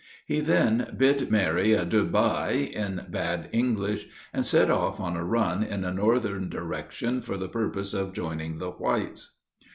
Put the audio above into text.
He then bid Mary a "dud by" in bad English, and set off on a run in a northern direction for the purpose of joining the whites.